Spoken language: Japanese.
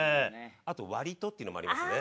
あと「割と」っていうのもありますね。